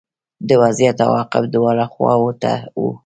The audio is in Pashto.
د وضعیت عواقب دواړو خواوو ته وو